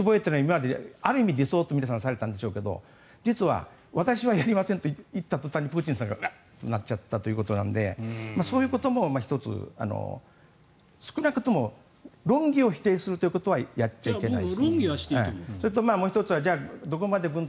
専守防衛というのは今まで理想と皆さんされていたんでしょうけど私はしませんと言った途端にプーチンさんがワッとなっちゃったということでそういうことも１つ、少なくとも論議を否定するということはやっちゃいけない。